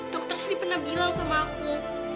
dokter sri pernah bilang sama aku